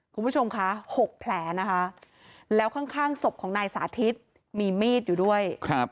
คุณผู้ชมคะ๖แผลนะคะแล้วข้างศพของนายสาธิตมีมีดอยู่ด้วย